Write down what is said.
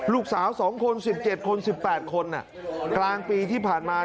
ลูกสาวสองคนสิบเจ็ดคนสิบแปดคนอ่ะกลางปีที่ผ่านมา